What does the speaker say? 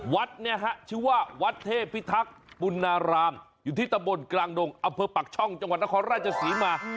วัดชื่อว่าวัดเทพฯภัฐฯปูนารามอยู่ที่ตะโบนกลางดงอเภอปากช่องจังหวัดนครราชศรีมา